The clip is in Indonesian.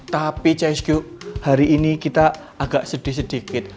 tapi csq hari ini kita agak sedih sedikit